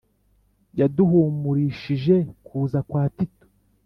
Yaduhumurishije kuza kwa Tito .